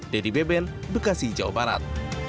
dedy beben bekasi jawa barat